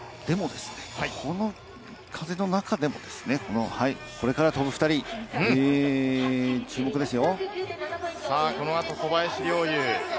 でもですね、この風の中で、これから飛ぶ２人、注目ですよ。